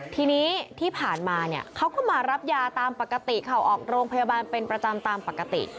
ทีนี้ที่ผ่านมาเนี่ยเขาก็มารับยาตามปกติเขาออกโรงพยาบาลเป็นประจำตามปกติ